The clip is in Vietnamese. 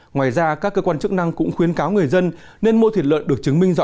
ngoài ra các cơ quan chức năng cũng khuyến cáo người dân nên mua thịt lợn được chứng minh rõ